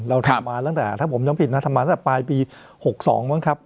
เราทำมาตั้งแต่ถ้าผมจำผิดนะทำมาตั้งแต่ปลายปี๖๒มั้งครับ